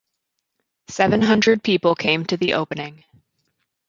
Seven hundred people came to the opening.